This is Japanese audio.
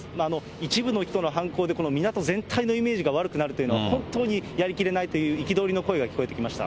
一部の人の犯行で、この港全体のイメージが悪くなるというのは、本当にやりきれないという、憤りの声が聞こえてきました。